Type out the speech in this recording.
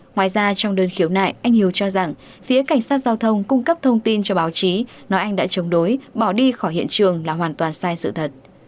ngoài ra trong đơn khiếu nại anh hiếu cho rằng phía cảnh sát giao thông cung cấp thông tin cho báo chí nói anh đã chống đối bỏ đi khỏi hiện trường là hoàn toàn sai sự thật